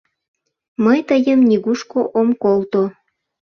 — Мый тыйым нигушко ом колто.